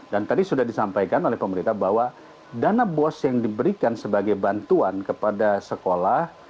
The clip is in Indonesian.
dan tadi sudah disampaikan oleh pemerintah bahwa dana bos yang diberikan sebagai bantuan kepada sekolah